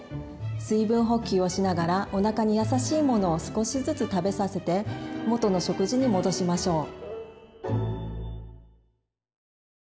水分補給をしながらおなかにやさしいものを少しずつ食べさせて元の食事に戻しましょう。